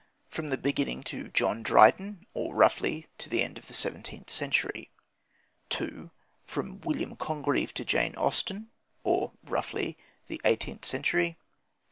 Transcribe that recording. From the beginning to John Dryden, or roughly, to the end of the seventeenth century. II. From William Congreve to Jane Austen, or roughly, the eighteenth century.